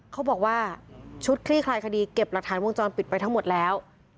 เขาบอกว่าชุดคลี่คลายคดีเก็บหลักฐานวงจรปิดไปทั้งหมดแล้ว